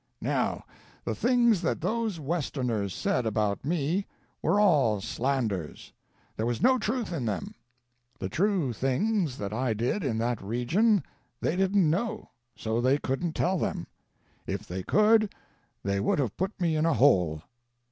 "Now, the things that those Westerners said about me were all slanders. there was no truth in them. The true things that I did in that region they didn't know, so they couldn't tell them. If they could, they would have put me in a hole.